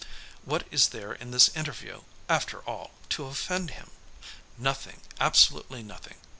What is there in this interview, after all, to offend him? Nothing, absolutely nothing.